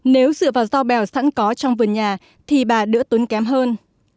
nếu dựa vào rau bèo sẵn có trong vườn nhà thì bà đỡ tốn kém hơn